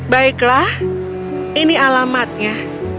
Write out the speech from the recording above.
baiklah ini alamatnya